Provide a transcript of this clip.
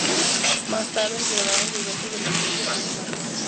Más tarde se trasladaron sus restos a la iglesia de los Ángeles.